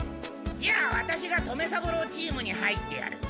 じゃあワタシが留三郎チームに入ってやる。